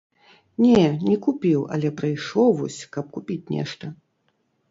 Не, не купіў, але прыйшоў вось, каб купіць нешта.